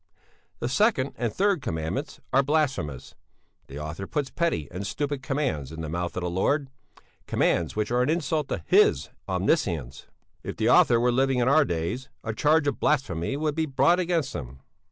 "'The second and third Commandments are blasphemous; the author puts petty and stupid commands in the mouth of the Lord; commands which are an insult to His omniscience; if the author were living in our days, a charge of blasphemy would be brought against him.